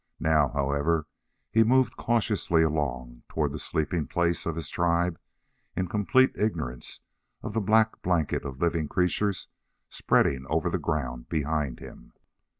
Now, however, he moved cautiously along toward the sleeping place of his tribe in complete ignorance of the black blanket of living creatures spreading over the ground behind him.